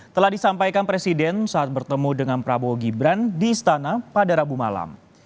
telah disampaikan presiden saat bertemu dengan prabowo gibran di istana pada rabu malam